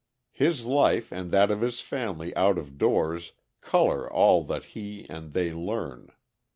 His life and that of his family out of doors color all that he and they learn.